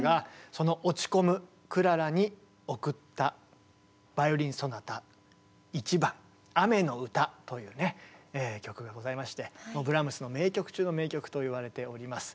その落ち込むクララに贈ったバイオリン・ソナタ１番「雨の歌」という曲がございましてブラームスの名曲中の名曲といわれております。